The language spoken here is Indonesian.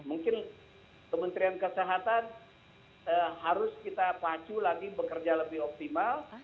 mungkin kementerian kesehatan harus kita pacu lagi bekerja lebih optimal